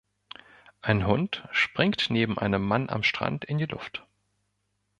Ein Hund springt neben einem Mann am Strand in die Luft.